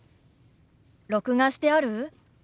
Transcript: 録画してある？